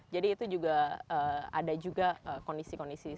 jadi itu juga ada juga kondisi kondisi lain